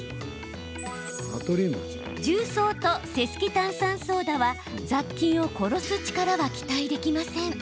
重曹とセスキ炭酸ソーダは雑菌を殺す力は期待できません。